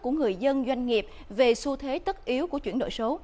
của người dân doanh nghiệp về xu thế tất yếu của chuyển đổi số